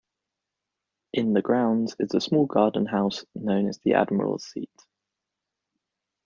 In the grounds is a small garden house known as The Admirals Seat.